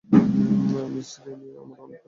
Miss Kelly আর আমার অনেক কাজ।